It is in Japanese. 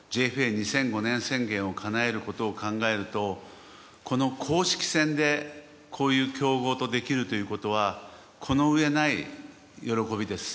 ２００５年宣言をかなえることを考えるとこの公式戦でこういう強豪とできるということはこの上ない喜びです。